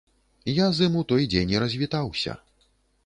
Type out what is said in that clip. Я з ім у той дзень і развітаўся.